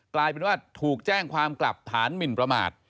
กลายเป็นว่าถูกแจ้งความกลับฐานหมินประมาท